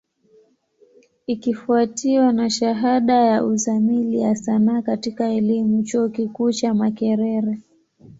Ikifwatiwa na shahada ya Uzamili ya Sanaa katika elimu, chuo kikuu cha Makerere.